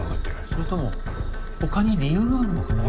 それとも他に理由があるのかな。